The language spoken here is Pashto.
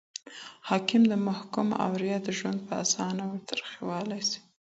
حاکم د محکوم او رعيت ژوند په اسانه ور تريخولای سي